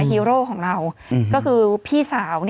ฮีโร่ของเราก็คือพี่สาว